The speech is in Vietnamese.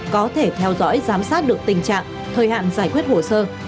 có thể theo dõi giám sát được tình trạng thời hạn giải quyết hồ sơ